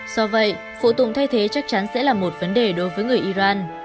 do vậy phụ tùng thay thế chắc chắn sẽ là một vấn đề đối với người iran